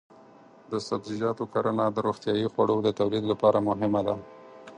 د سبزیجاتو کرنه د روغتیايي خوړو د تولید لپاره مهمه ده.